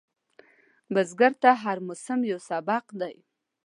بزګر ته هر موسم یو سبق دی